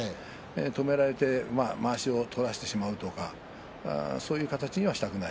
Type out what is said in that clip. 止められてまわしを取らせてしまうとかそういう形には、したくない。